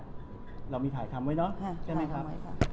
เรามีถ่ายทำไว้เนอะใช่ไหมครับ